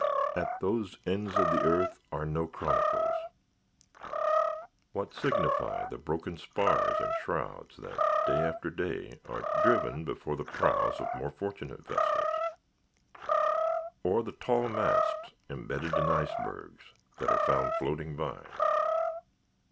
At those ends of the earth are no chronicles. What signify the broken spars and shrouds that, day after day, are driven before the prows of more fortunate vessels? or the tall masts, imbedded in icebergs, that are found floating by?